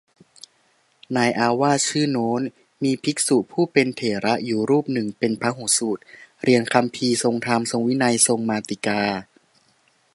ในอาวาสชื่อโน้น มีภิกษุผู้เป็นเถระอยู่รูปหนึ่งเป็นพหูสูตร เรียนคำภีร์ ทรงธรรม ทรงวินัย ทรงมาติกา